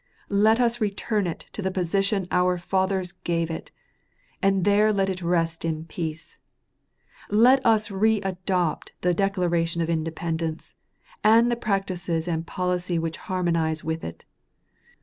Let us return it to the position our fathers gave it, and there let it rest in peace. Let us readopt the Declaration of Independence, and the practices and policy which harmonize with it.